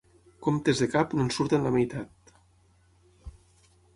Comptes de cap, no en surten la meitat.